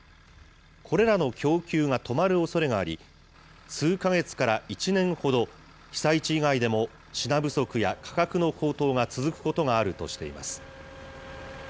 これらの供給が止まるおそれがあり、数か月から１年ほど、被災地以外でも品不足や価格の高騰が続くことがあるとしています。